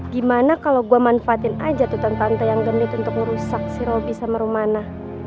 gimana kalau gue manfaatin aja tuh tante tante yang gemit untuk merusak si robby sama rumana